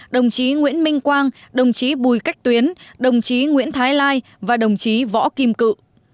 đồng chí nguyễn minh quang đồng chí bùi cách tuyến đồng chí nguyễn thái lai và đồng chí võ kim cự